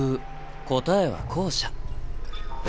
答えは後者。